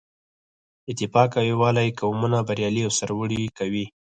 اتفاق او یووالی قومونه بریالي او سرلوړي کوي.